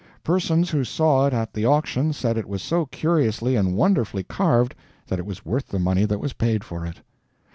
Persons who saw it at the auction said it was so curiously and wonderfully carved that it was worth the money that was paid for it.